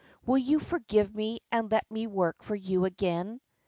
Will you forgive me and let me work for you again?"